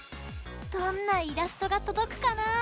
どんなイラストがとどくかな？